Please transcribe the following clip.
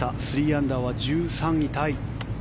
３アンダーは１３位タイ。